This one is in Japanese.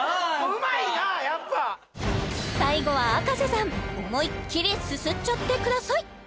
うまいなやっぱ最後はあかせさん思い切りすすっちゃってください